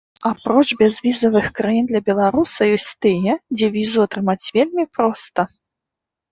Апроч бязвізавых краін для беларуса, ёсць тыя, дзе візу атрымаць вельмі проста.